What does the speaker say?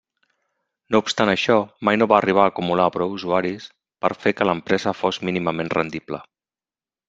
No obstant això, mai no va arribar a acumular prou usuaris per fer que l'empresa fos mínimament rendible.